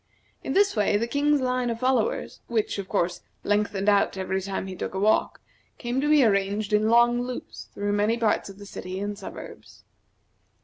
In this way the King's line of followers, which, of course, lengthened out every time he took a walk, came to be arranged in long loops through many parts of the city and suburbs.